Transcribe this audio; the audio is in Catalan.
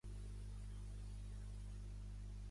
Gos que no conegues, no li toques les orelles.